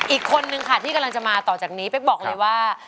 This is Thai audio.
อีกคนนึงค่ะที่กำลังจะมาต่อจากนี้เป๊กบอกเลยว่า